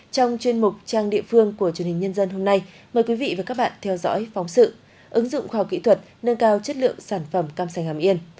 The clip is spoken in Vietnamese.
trong chuyên mục trang địa phương của truyền hình nhân dân hôm nay mời quý vị và các bạn theo dõi phóng sự ứng dụng khoa học kỹ thuật nâng cao chất lượng sản phẩm cam sành hàm yên